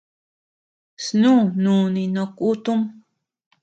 Snú núni no kutum.